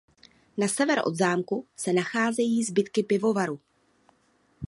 Na sever od zámku se nacházejí zbytky pivovaru..